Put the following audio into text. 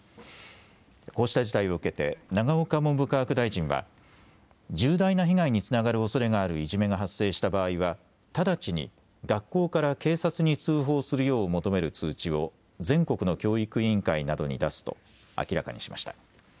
こうした事態を受けて永岡文部科学大臣は重大な被害につながるおそれがあるいじめが発生した場合は直ちに学校から警察に通報するよう求める通知を全国の教育委員会などに出すと明らかにしました。